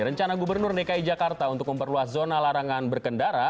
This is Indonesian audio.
rencana gubernur dki jakarta untuk memperluas zona larangan berkendara